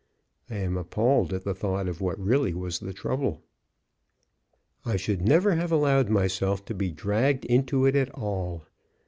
I am appalled at the thought of what really was the trouble. I should never have allowed myself to be dragged into it at all.